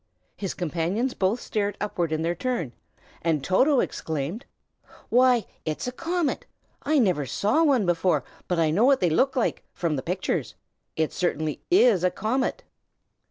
His companions both stared upward in their turn, and Toto exclaimed, "Why, it's a comet! I never saw one before, but I know what they look like, from the pictures. It certainly is a comet!"